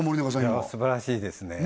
今すばらしいですね